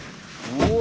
うわ！